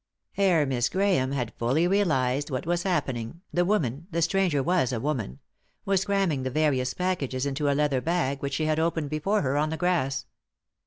Ere Miss Grahame had fully realised what was hap pening, the woman — the stranger was a woman — was cramming the various packages into a leather bag which she had opened before her on the grass.